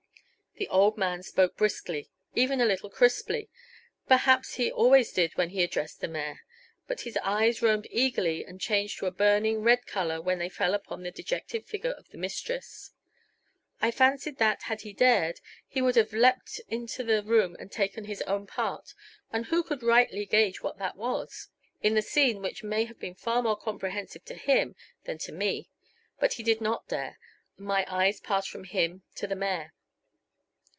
The old man spoke briskly, even a little crisply perhaps he always did when he addressed the mayor. But his eyes roamed eagerly and changed to a burning, red color when they fell upon the dejected figure of his mistress. I fancied that, had he dared, he would have leaped into the room and taken his own part and who could rightly gage what that was? in the scene which may have been far more comprehensive to him than to me. But he did not dare, and my eyes passed from him to the mayor.